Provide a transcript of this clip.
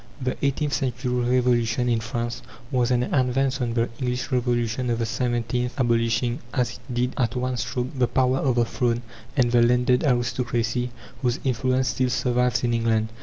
The eighteenth century Revolution in France was an advance on the English Revolution of the seventeenth, abolishing as it did at one stroke the power of the throne and the landed aristocracy, whose influence still survives in England.